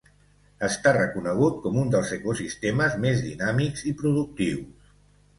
Està reconegut com un dels ecosistemes més dinàmics i productius.